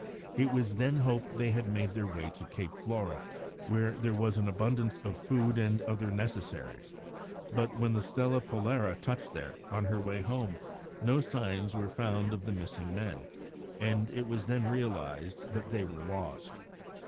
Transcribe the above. It was then hoped that they had made their way to Cape Flora, where there was an abundance of food and other necessaries, but when the Stella Polare touched there, on her way home, no signs were found of the missing men, and it was then realised that they were lost.